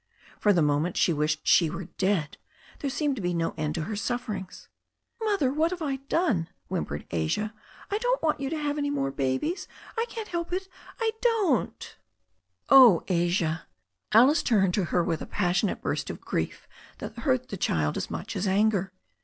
For the moment she wished she were dead. There seemed to be no end to her sufferings. "Mother, what have I done?" whimpered Asia. "I don't want you to have any more babies. I can't help it — ^I don't " "Oh, Asia !" Alice turned to her with a passionate burst of grief that hurt the child as much as anger.